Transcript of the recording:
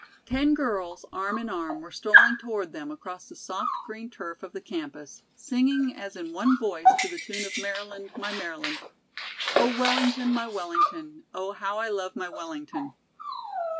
Ten girls, arm in arm, were strolling toward them across the soft green turf of the campus, singing as in one voice to the tune of "Maryland, My Maryland": "Oh, Wellington, My Wellington, Oh, how I love my Wellington!"